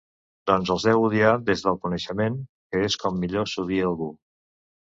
Doncs els deu odiar des del coneixement, que és com millor s'odia algú.